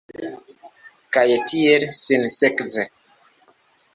Kaj tiel sinsekve.